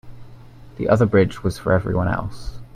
The other bridge was for everyone else.